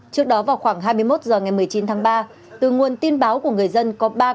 trước đó vào khoảng hai mươi một h ngày một mươi chín tháng ba từ nguồn tin báo của người dân có ba cô gái bị đánh đập